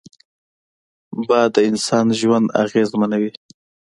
باد د انسان ژوند اغېزمنوي